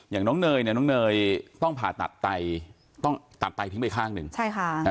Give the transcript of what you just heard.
อย่างน้องเนยเนี่ยน้องเนยต้องผ่าตัดไตต้องตัดไตทิ้งไปข้างหนึ่งใช่ค่ะ